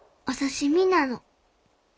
お刺身なの」。